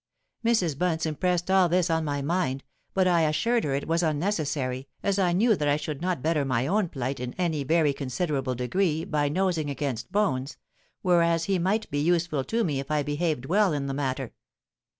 '—Mrs. Bunce impressed all this on my mind; but I assured her it was unnecessary, as I knew that I should not better my own plight in any very considerable degree by nosing against Bones, whereas he might be useful to me if I behaved well in the matter.